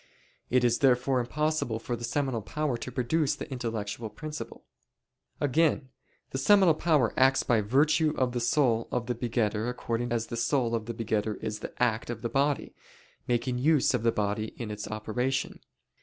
It is therefore impossible for the seminal power to produce the intellectual principle. Again, the seminal power acts by virtue of the soul of the begetter according as the soul of the begetter is the act of the body, making use of the body in its operation.